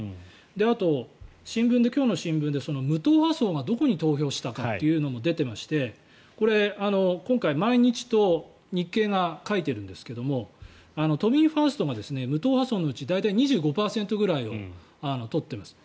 あと、今日の新聞で無党派層がどこに投票したかというのも出ていまして、これ今回毎日と日経が書いているんですけれども都民ファーストが無党派層のうち大体２５％くらいを取っています。